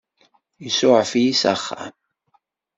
Isuɛef-iyi s axxam.